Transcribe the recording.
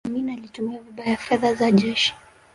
amin alitumia vibaya fedha za jeshi